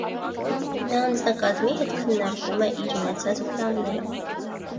Նա անձնակազամի հետ քննարկում է իր ունեցած պլանները։